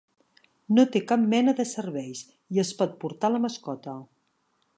No té cap mena de serveis i es pot portar la mascota.